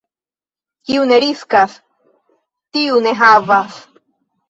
Kiu ne riskas, tiu ne havas.